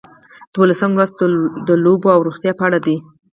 دولسم لوست د لوبو او روغتیا په اړه دی.